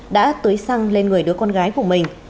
đã tưới xăng lên người đứa con gái của mình